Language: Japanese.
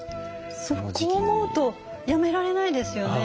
こう思うとやめられないですよね。